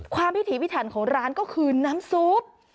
พิถีพิถันของร้านก็คือน้ำซุป